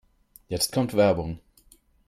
Jetzt kommt Werbung.